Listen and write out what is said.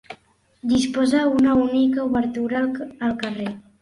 Disposa d'una única obertura al carrer.